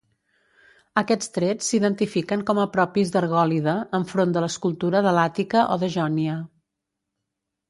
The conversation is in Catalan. Aquests trets s'identifiquen com a propis d'Argòlida enfront de l'escultura de l'Àtica o de Jònia.